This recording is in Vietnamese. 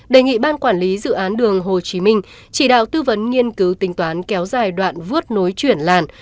đề nghị ban quản lý dự án đường hồ chí minh chỉ đạo tư vấn nghiên cứu tính toán kéo dài đoạn vớt nối chuyển làn